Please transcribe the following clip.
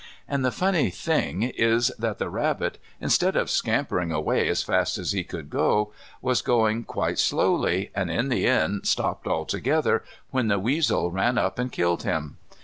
And the funny thing is that the rabbit instead of scampering away as fast as he could go, was going quite slowly, and in the end stopped altogether, when the weasel ran up and killed him.